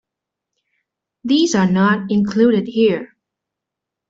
These are not included here.